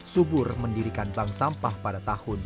subur mendirikan bank sampah pada tahun dua ribu